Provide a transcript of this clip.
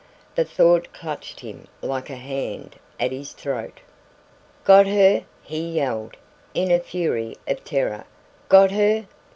The thought clutched him like a hand at his throat. "Got her?" he yelled, in a fury of terror. "Got her?